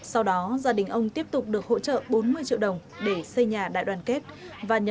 sau đó gia đình ông tiếp tục được hỗ trợ bốn mươi triệu đồng để xây nhà đại đoàn